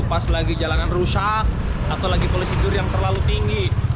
pas lagi jalanan rusak atau lagi polisi tidur yang terlalu tinggi